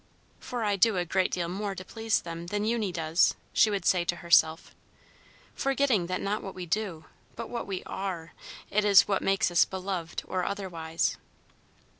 "For I do a great deal more to please them than Eunie does," she would say to herself, forgetting that not what we do, but what we are, it is which makes us beloved or otherwise.